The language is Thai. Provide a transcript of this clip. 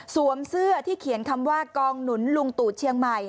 เสื้อที่เขียนคำว่ากองหนุนลุงตู่เชียงใหม่